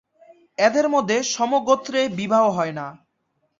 এঁদের মধ্যে সম গোত্রে বিবাহ হয়না।